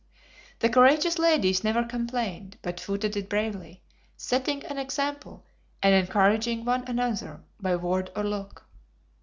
The courageous ladies never complained, but footed it bravely, setting an example, and encouraging one and another by word or look.